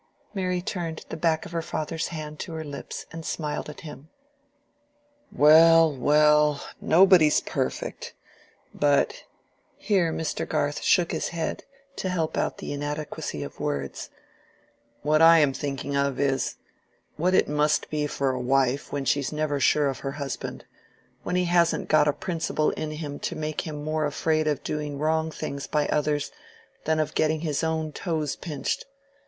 Mary turned the back of her father's hand to her lips and smiled at him. "Well, well, nobody's perfect, but"—here Mr. Garth shook his head to help out the inadequacy of words—"what I am thinking of is—what it must be for a wife when she's never sure of her husband, when he hasn't got a principle in him to make him more afraid of doing the wrong thing by others than of getting his own toes pinched.